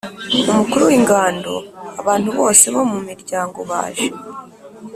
umukuru w ingando Abantu bose bo mu miryango baje